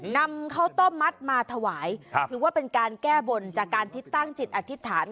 นำข้าวต้มมัดมาถวายถือว่าเป็นการแก้บนจากการที่ตั้งจิตอธิษฐาน